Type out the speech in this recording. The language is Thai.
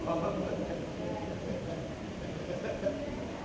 สวัสดีครับทุกคน